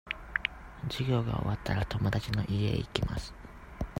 授業が終わったら、友達の家へ行きます。